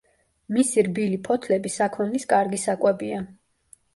მისი რბილი ფოთლები საქონლის კარგი საკვებია.